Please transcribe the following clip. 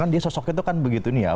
dia sosoknya begitu ya